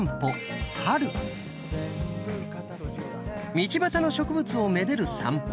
道端の植物をめでる散歩。